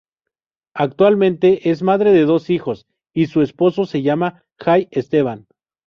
Actualmente es madre de dos hijos y su esposo se llama Jay Esteban.